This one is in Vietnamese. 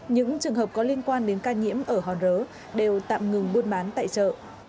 những trường hợp có liên quan đến ca nhiễm ở hòn rớ đều tạm ngừng buôn bán tại chợ